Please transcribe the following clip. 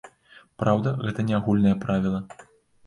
Праўда, гэта не агульнае правіла.